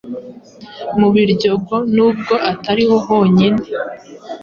mu Biryogo nubwo atari ho honyine,